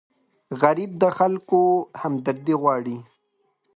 غریب د خلکو همدردي غواړي